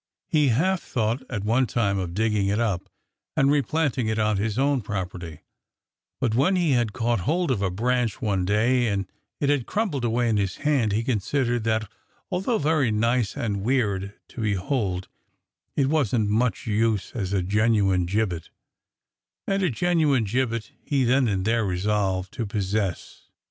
He half thought at one time of digging it up and replanting it on his own property, but when he had caught hold of a branch one day and it had crum bled away in his hand he considered that, although very nice and weird to behold, it wasn't much use as a gen uine gibbet, and a genuine gibbet he then and there resolved to possess.